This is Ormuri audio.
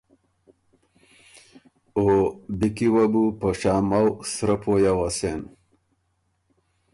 او بی کی وه بو په شامؤ سرۀ پویٛ اوسېن۔